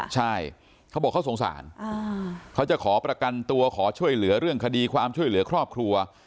ใช่เขาบอกเขาสงสารเขาจะขอประกันตัวขอช่วยเหลือเรื่องคดีความช่วยเหลือครอบครัว